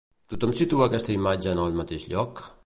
Tothom situa aquesta imatge en el mateix lloc?